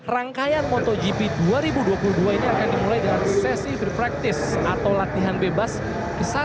rangkaian motogp dua ribu dua puluh dua ini akan dimulai dengan sesi free practice atau latihan bebas ke satu